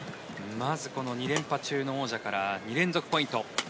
まずこの２連覇中の王者から２連続ポイント。